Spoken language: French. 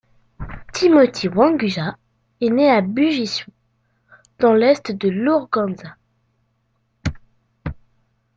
Timothy Wangusa est né à Bugisu, dans l'est de l'Ouganda.